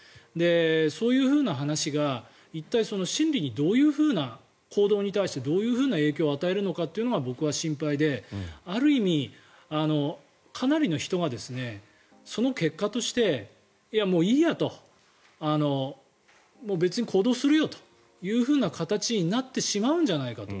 そういう話が一体、心理に、行動に対してどういうふうな影響を与えるのかというのが僕は心配である意味、かなりの人がその結果としてもういいやと別に行動するよという形になってしまうんじゃないかと。